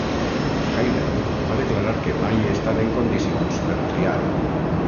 En Hayden va declarar que mai he estat en condicions per triar.